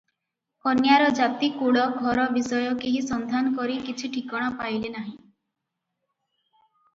କନ୍ୟାର ଜାତି କୁଳ ଘର ବିଷୟ କେହି ସନ୍ଧାନ କରି କିଛି ଠିକଣା ପାଇଲେ ନାହିଁ ।